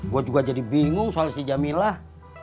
gue juga jadi bingung soal si jamilah